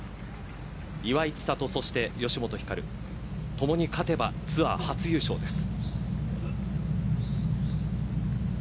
岩井千怜、そして吉本ひかるともに勝てばツアー初優勝です。